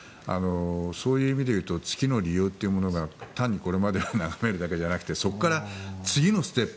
そういう意味で言うと月の利用というものが単にこれまで眺めるだけじゃなくてそこから次のステップ。